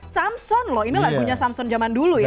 samson loh ini lagunya samson zaman dulu ya